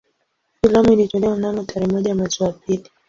Filamu ilitolewa mnamo tarehe moja mwezi wa pili